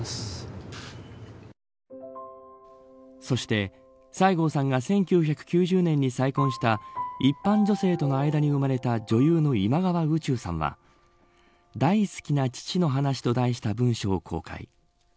そして、西郷さんが１９９０年に再婚した一般女性との間に生まれた女優の今川宇宙さんは大好きな父の話と題した文書を公開。